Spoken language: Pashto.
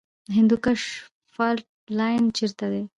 د هندوکش فالټ لاین چیرته دی؟